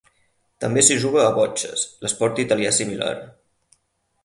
També s'hi juga a botxes, l'esport italià similar.